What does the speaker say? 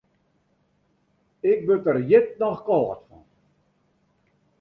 Ik wurd der hjit noch kâld fan.